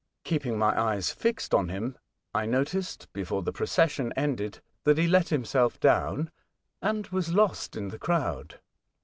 Keeping my eyes fixed on him, I noticed, before the procession ended, bhat he let himself down, and was lost in the 3rowd.